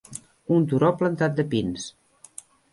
Un turó plantat de pins.